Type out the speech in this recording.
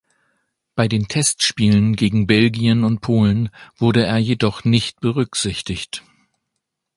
Bei den Testspielen gegen Belgien und Polen wurde er jedoch nicht berücksichtigt.